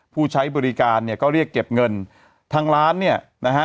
ผู้ใช้บริการเนี่ยก็เรียกเก็บเงินทางร้านเนี่ยนะฮะ